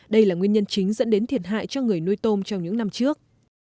đây là nguyên nhân chính dẫn đến thiệt hại cho người nuôi tôm trong những năm trước